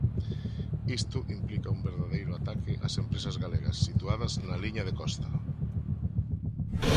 Isto implica un verdadeiro ataque ás empresas galegas situadas na liña de costa.